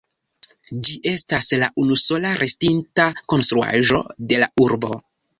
Ĝi estas la unusola restinta konstruaĵo de la urbo.